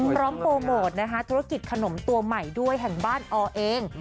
พร้อมโปรโมทนะคะธุรกิจขนมตัวใหม่ด้วยแห่งบ้านอเอง